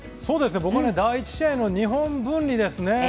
僕は第１試合の日本文理ですね。